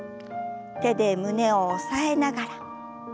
手で胸を押さえながら。